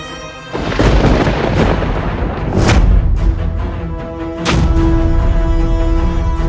tidak bisa pun sengsara